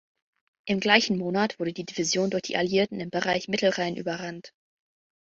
Im gleichen Monat wurde die Division durch die Alliierten im Bereich Mittelrhein überrannt.